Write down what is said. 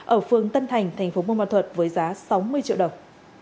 ở phường tân thành tp buôn ma thuật với giá sáu mươi triệu đồng